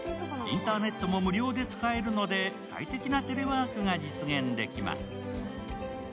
インターネットも無料で使えるので、快適なテレワークが実現できます。